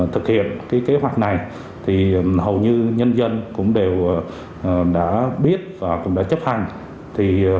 thực hiện kế hoạch này hầu như nhân dân cũng đều đã biết và cũng đã chấp hành